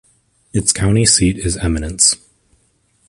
Its county seat is Eminence.